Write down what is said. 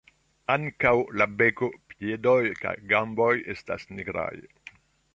Ankaŭ la beko, piedoj kaj gamboj estas nigraj.